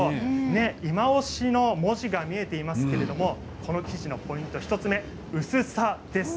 いまオシの文字が見えていますけれどもこの生地のポイント、１つ目薄さです。